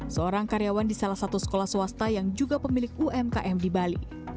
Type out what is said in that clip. seorang karyawan di salah satu sekolah swasta yang juga pemilik umkm di bali